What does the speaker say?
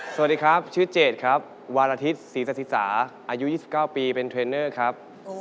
สวัสดีครับชื่อเจดครับวารทิศศรีสสิสาอายุ๒๙ปีเป็นเทรนเนอร์ครับ